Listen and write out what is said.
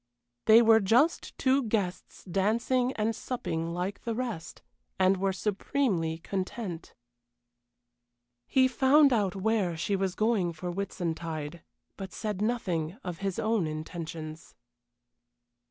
They were just two guests dancing and supping like the rest, and were supremely content. He found out where she was going for Whitsuntide, but said nothing of his own intentions.